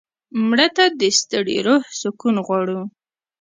مړه ته د ستړي روح سکون غواړو